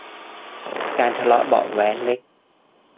การทะเลาะเบาะแว้งเล็ก